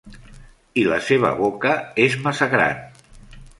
I la seva boca es massa gran.